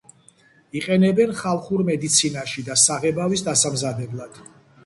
იყენებენ ხალხურ მედიცინაში და საღებავის დასამზადებლად.